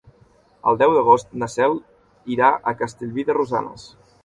El deu d'agost na Cel irà a Castellví de Rosanes.